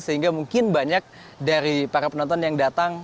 sehingga mungkin banyak dari para penonton yang datang